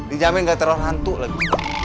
ini jamnya enggak terlalu hantu lagi